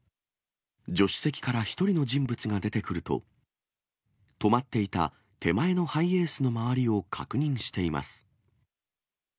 助手席から１人の人物が出てくると、止まっていた手前のハイエースの周りを確認しています。